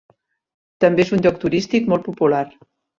També és un lloc turístic molt popular.